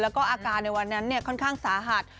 แล้วก็อาการในวันนั้นค่อนข้างสาหัส